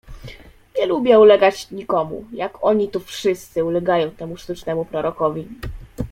"Nie lubię ulegać nikomu, jak oni tu wszyscy ulegają temu sztucznemu Prorokowi."